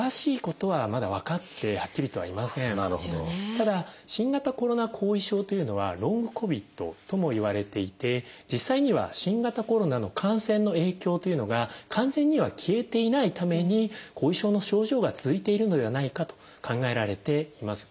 ただ新型コロナ後遺症というのは「ｌｏｎｇＣＯＶＩＤ」ともいわれていて実際には新型コロナの感染の影響というのが完全には消えていないために後遺症の症状が続いているのではないかと考えられています。